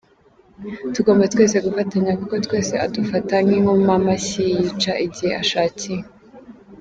Tugomba twese gufatanya kuko twese adufata nk’inkoma mashyi yica igihe ashakiye.